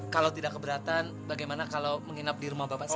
kalau tidak keberatan bagaimana kalau menginap di rumah bapak sendiri